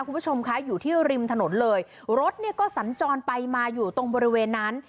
คุณผู้ชมคะอยู่ที่ริมถนนเลยรถเนี่ยก็สัญจรไปมาอยู่ตรงบริเวณนั้น